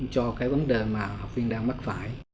cho vấn đề mà học viên đang mắc phải